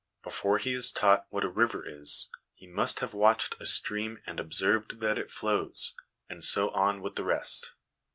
Before he is taught what a river is, he must have watched a stream and observed that it flows ; and so on with the rest.